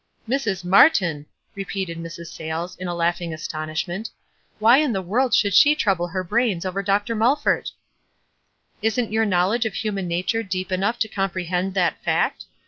'"Mrs. Martyn!" repeated Mrs. Sayles, in laughing astonishment. "Whv in the world WISE AND OTHERWISE. 9 should she trouble her brains over Dr. Mul ford?" "Isn't your knowledge of human nature deep enough to comprehend that fact?